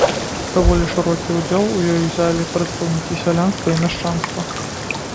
Даволі шырокі ўдзел у ёй узялі прадстаўнікі сялянства і мяшчанства.